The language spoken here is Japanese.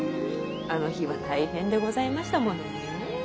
あの日は大変でございましたものねえ。